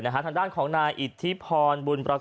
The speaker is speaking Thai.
ทางด้านของนายอิทธิพรบุญประค